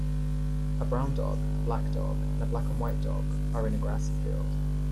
A brown dog, a black dog and a black and white dog are in a grassy field